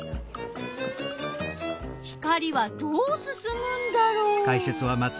光はどうすすむんだろう？